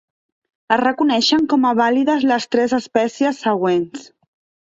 Es reconeixen com a vàlides les tres espècies següents.